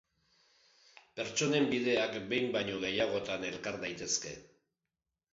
Pertsonen bideak behin baino gehiagotan elkar daitezke.